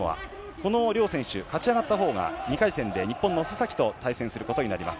この両選手勝ち上がったほうが２回戦で日本の須崎と対戦することになります。